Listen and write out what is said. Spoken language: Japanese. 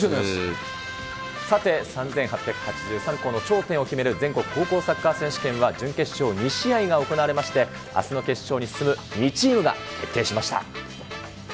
さて、３８８３校の頂点を決める全国高校サッカー選手権は、準決勝２試合が行われまして、あすの決勝に進む２チームが決定しました。